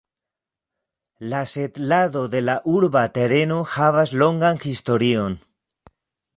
La setlado de la urba tereno havas longan historion.